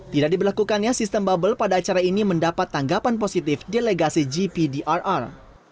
tidak diberlakukannya sistem bubble pada acara ini mendapat tanggapan positif delegasi gpdrr